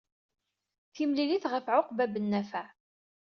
Timlilit ɣef ɛuqba Ibn Nafaɛ.